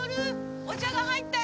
お茶が入ったよ。